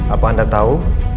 apa anda tau